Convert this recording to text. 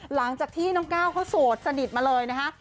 หลังจากที่น้องก้าวเขาโสดสนิทมาเลยนะคะ